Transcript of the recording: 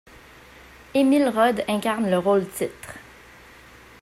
Emil Rohde incarne le rôle-titre.